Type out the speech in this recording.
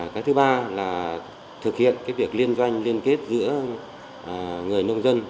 cái thứ ba là thực hiện việc liên doanh liên kết giữa người nông dân